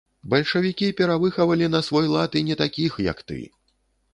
Бальшавікі перавыхавалі на свой лад і не такіх, як ты.